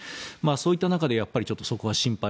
そういった中でそこは心配。